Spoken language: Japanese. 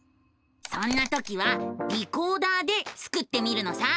そんな時は「リコーダー」でスクってみるのさ！